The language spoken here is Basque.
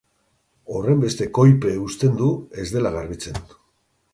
Horrenbeste koipe uzten du, ez dela garbitzen.